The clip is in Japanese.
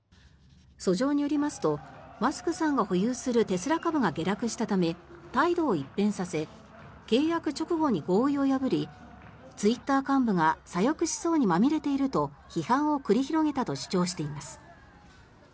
訴状によりますとマスクさんが保有するテスラ株が下落したため、態度を一変させ契約直後に合意を破りツイッター幹部が左翼思想にまみれていると批判を繰り広げたと主張しています。